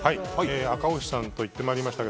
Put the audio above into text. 赤星さんと行ってまいりました。